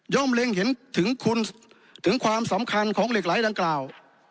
เล็งเห็นถึงคุณถึงความสำคัญของเหล็กไหลดังกล่าว